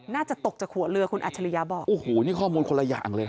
น่าจะตกจากหัวเรือคุณอัจฉริยะบอกโอ้โหนี่ข้อมูลคนละอย่างเลยนะ